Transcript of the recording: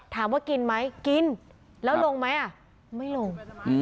ถามว่ากินไหมกินแล้วลงไหมอ่ะไม่ลง